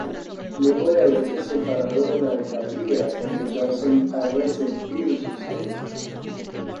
Luego de haberse separado de la alcaldía, empezó a resentirse su salud.